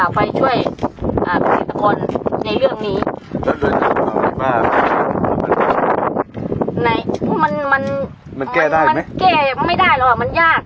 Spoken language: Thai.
ไปช่วยผลิตกรในเรื่องนี้มันแก้ได้ไหมแก้ไม่ได้หรอกมันยาก